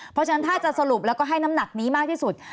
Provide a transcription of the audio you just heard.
เพราะฉะนั้นถ้าจะสรุปแล้วก็ให้น้ำหนักนี้มากที่สุด